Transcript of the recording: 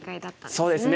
そうですね。